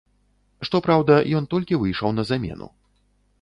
Што праўда, ён толькі выйшаў на замену.